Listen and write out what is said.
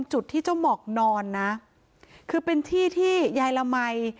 จุดที่เจ้าหมอกนอนนะคือเป็นที่ที่ยายละมัย